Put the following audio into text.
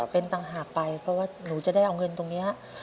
เป็นต่างหากไปเพราะว่าหนูจะได้เอาเงินตรงนี้